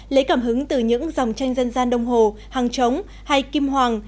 lấy cảm hứng từ những dòng tranh dân gian đông hồ hàng trống hay kim hoàng